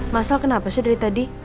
masalah kenapa sih dari tadi